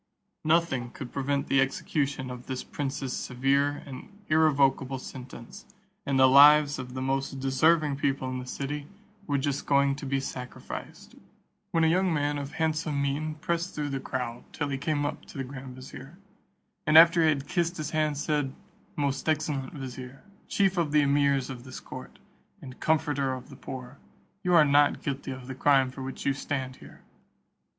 Nothing could prevent the execution of this prince's severe and irrevocable sentence, and the lives of the most deserving people in the city were just going to be sacrificed, when a young man of handsome mien pressed through the crowd till he came up to the grand vizier, and after he had kissed his hand, said, "Most excellent vizier, chief of the emirs of this court, and comforter of the poor, you are not guilty of the crime for which you stand here.